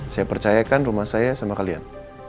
saya percayakan rumah saya sama kalian